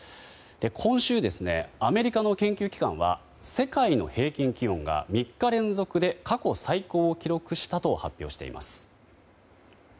今週、アメリカの研究機関は世界の平均気温が３日連続で過去最高を記録したと発表しています。